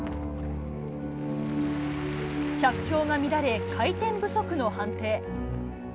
着氷が乱れ、回転不足の判定。